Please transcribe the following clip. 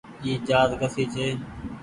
اي جهآز ڪسي ڇي۔